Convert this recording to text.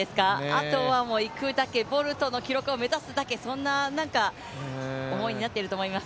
あとはもういくだけボルトの記録を目指すだけそんな、なんか思いになってると思います。